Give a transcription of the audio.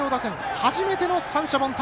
初めての三者凡退。